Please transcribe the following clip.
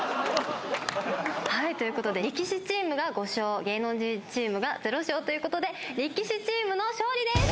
はいということで力士チームが５勝芸能人チームがゼロ勝ということで力士チームの勝利です！